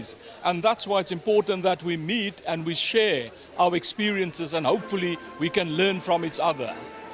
dan itulah mengapa penting untuk kita bertemu dan berbagi pengalaman kita